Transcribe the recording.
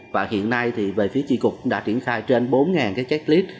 và hiện nay thì về phía tri cục đã triển khai trên bốn cái checklist